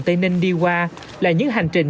tây ninh đi qua là những hành trình